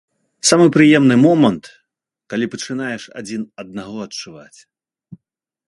Самы прыемны момант, калі пачынаеш адзін аднаго адчуваць.